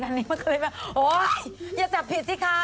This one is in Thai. อันนี้มันก็เลยแบบโอ๊ยอย่าจับผิดสิคะ